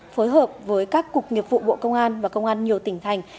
phối hợp với các cục nghiệp vụ bộ công an và công an nhiều tỉnh thành